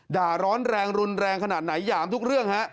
ร้อนแรงรุนแรงขนาดไหนหยามทุกเรื่องฮะ